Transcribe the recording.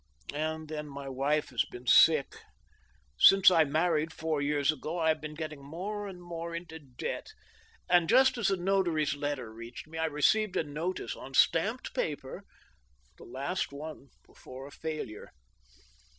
And. then, my wife has been sick. ... Since I married, four years ago, I have been getting more and more into debt, and, just as the notary's let ter reached me, I received a notice on stamped paper — the last one before a failure.